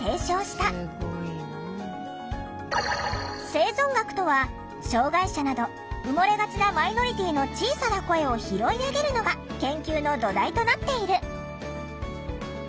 「生存学」とは障害者など埋もれがちなマイノリティーの小さな声を拾い上げるのが研究の土台となっている。